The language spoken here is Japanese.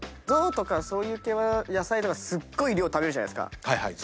ゾウとかそういう系は野菜とかすごい量食べるじゃないですか。